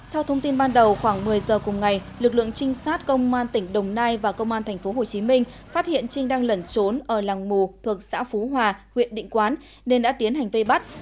theo thông tin ban đầu khoảng một mươi giờ cùng ngày lực lượng trinh sát công an tỉnh đồng nai và công an tp hcm phát hiện trinh đang lẩn trốn ở làng mù thuộc xã phú hòa huyện định quán nên đã tiến hành vây bắt